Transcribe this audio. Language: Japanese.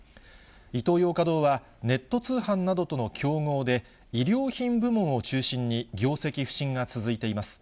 イトーヨーカドーはネット通販などとの競合で、衣料品部門を中心に、業績不振が続いています。